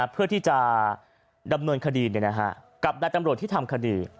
เพื่อที่จะดำเนินคดีกับนายตำรวจที่ทำคดี